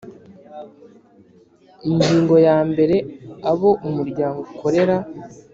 Ingingo ya mbere Abo umuryango ukorera